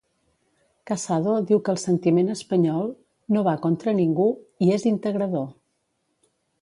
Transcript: Casado diu que el sentiment espanyol "no va contra ningú" i "és integrador"